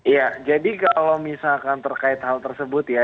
ya jadi kalau misalkan terkait hal tersebut ya